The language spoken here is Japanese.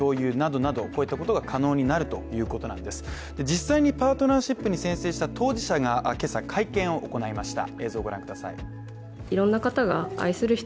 実際にパートナーシップに宣誓した当事者がけさ、会見を行いました。